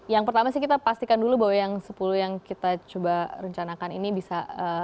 yang pertama sih kita pastikan dulu bahwa yang sepuluh yang kita coba rencanakan ini bisa